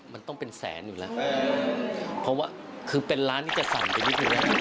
มันต้องเป็นแสนอยู่แล้วเพราะว่าคือเป็นล้านที่จะสั่นไปนิดนึง